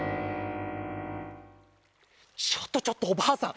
ちょっとちょっとおばあさん